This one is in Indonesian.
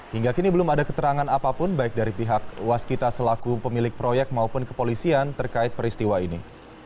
hingga kini belum ada keterangan apapun baik dari pihak waskita selaku pemilik proyek maupun kepolisian terkait peristiwa ini